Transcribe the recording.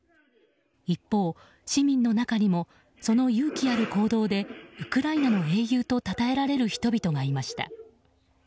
一方、市民の中にもその勇気ある行動でウクライナの英雄とたたえられる人々がいました。